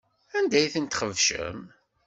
Anda ay tent-txebcem?